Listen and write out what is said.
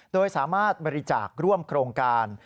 โดยสามารถบริจาคร่วมโครงการ